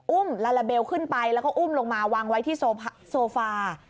ลาลาเบลขึ้นไปแล้วก็อุ้มลงมาวางไว้ที่โซฟา